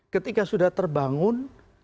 ketika sudah terbangun